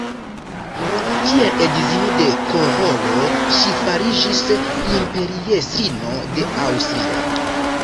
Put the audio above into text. Kiel edzino de Karolo ŝi fariĝis imperiestrino de Aŭstrio.